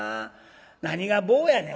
何が棒やねん。